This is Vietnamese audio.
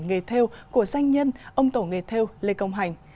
tổ nghề theo của doanh nhân ông tổ nghề theo lê công hành